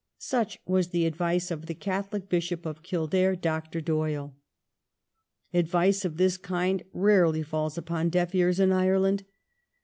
Such was the advice of the Catholic Bishop of Kildare, Dr. Doyle. Advice of this kind rarely falls upon deaf ears in Ireland.